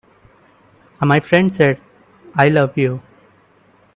My friend said: "I love you.